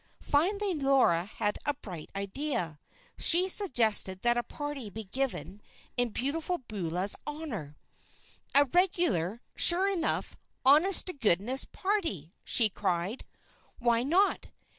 Finally Laura had a bright idea. She suggested that a party be given in Beautiful Beulah's honor. "A regular, sure enough, honest to goodness party!" she cried. "Why not?